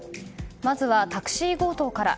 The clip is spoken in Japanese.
まずはタクシー強盗から。